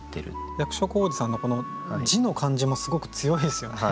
役所広司さんのこの字の感じもすごく強いですよね